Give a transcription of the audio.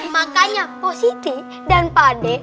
makanya pos gep dan pade